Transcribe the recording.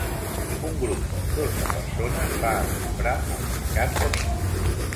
Un grup nombrós de persones va a comprar al mercat de nit.